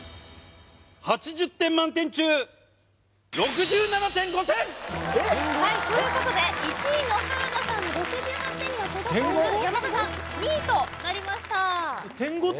８０点満点中６７．５点！ということで１位の原田さんの６８点には届かず山田さん２位となりました